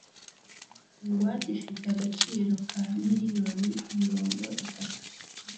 ingwate ifite agaciro ka miliyoni mirongo itatu